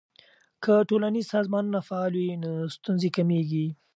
که ټولنیز سازمانونه فعال وي نو ستونزې کمیږي.